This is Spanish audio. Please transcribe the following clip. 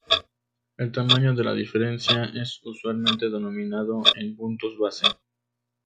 El tamaño de la diferencia es usualmente denominado en puntos base.